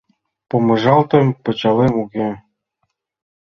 Помыжалтым — пычалем уке.